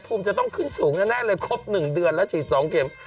ภูมิจะต้องขึ้นสูงแน่เลยครบหนึ่งเดือนแล้วฉีดสองเพลิน